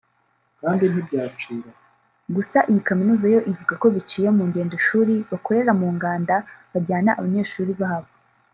Gusa iyi kaminuza yo ivuga ko biciye mu ngendoshuri bakorera mu nganda bajyana abanyeshuri babo